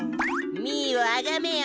ミーをあがめよ。